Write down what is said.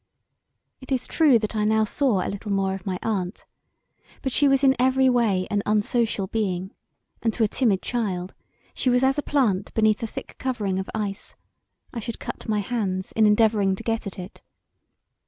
[A] It is true that I now saw a little more of my aunt, but she was in every way an unsocial being; and to a timid child she was as a plant beneath a thick covering of ice; I should cut my hands in endeavouring to get at it.